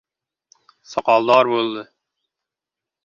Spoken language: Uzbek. Soqoldor bo‘ldi.